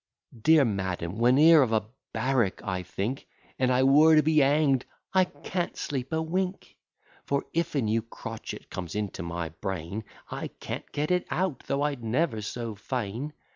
Dear madam, whene'er of a barrack I think, An I were to be hang'd, I can't sleep a wink: For if a new crotchet comes into my brain, I can't get it out, though I'd never so fain.